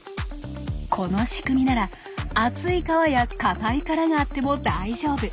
この仕組みなら厚い皮や硬い殻があっても大丈夫。